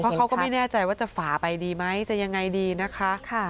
เพราะเขาก็ไม่แน่ใจว่าจะฝาไปดีไหมจะยังไงดีนะคะ